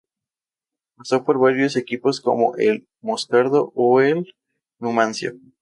Pasó por varios equipos como el Moscardó o el Numancia.